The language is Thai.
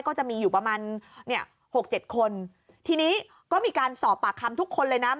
ก็จะมีอยู่ประมาณ๖๗คนทีนี้ก็มีการสอบปากคำทุกคนเลยนะ